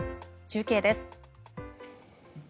中継です。